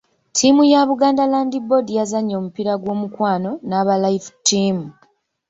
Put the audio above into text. Ttiimu ya Buganda Land Board yazannye omupiira gw'omukwano n'aba Life Team.